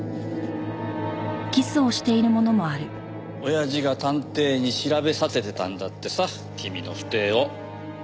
親父が探偵に調べさせてたんだってさ君の不貞を。